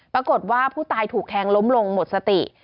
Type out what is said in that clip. ปรากฏว่าผู้ตายถูกแทงล้มลงหมดสติ